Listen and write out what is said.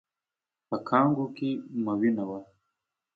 په کانګو کې مو وینه وه؟